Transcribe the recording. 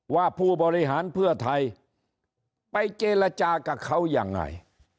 ผู้บริหารเพื่อไทยไปเจรจากับเขายังไง